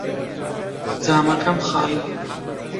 جامەکەم خاڵییە.